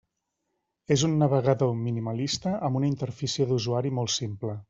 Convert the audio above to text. És un navegador minimalista amb una interfície d'usuari molt simple.